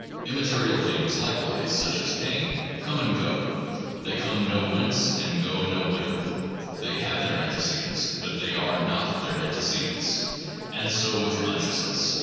Immaterial things likewise, such as pain, come and go ; they come nowhence and go nowhither. They have their antecedents, but they are not their antecedents. And so with consciousness.